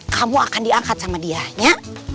kamu akan diangkat sama dia ya